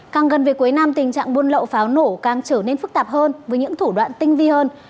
càng gần về cuối năm tình trạng buôn lậu pháo nổ càng trở nên phức tạp hơn với những thủ đoạn tinh vi hơn